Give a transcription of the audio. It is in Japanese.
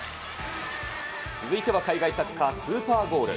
続いては海外サッカー、スーパーゴール。